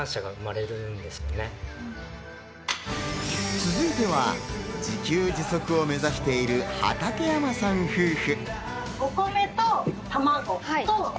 続いては自給自足を目指している畠山さん夫婦。